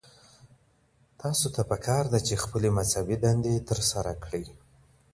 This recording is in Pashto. تاسو ته پکار ده چې خپلې مذهبي دندې ترسره کړئ.